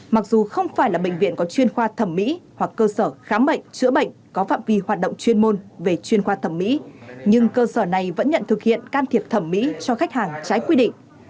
mặc dù không phải là bệnh viện có chuyên khoa thẩm mỹ hoặc cơ sở khám bệnh chữa bệnh có phạm vi hoạt động chuyên môn về chuyên khoa thẩm mỹ nhưng cơ sở này vẫn nhận thực hiện can thiệp thẩm mỹ cho khách hàng trái quy định